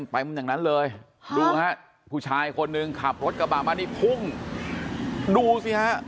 อย่างนั้นเลยดูฮะผู้ชายคนหนึ่งขับรถกระบะมานี่พุ่งดูสิฮะ